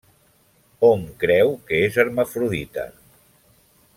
Hom creu que és hermafrodita.